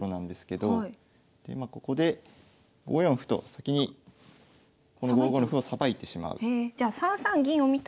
まあここで５四歩と先にこの５五の歩をさばいてしまう。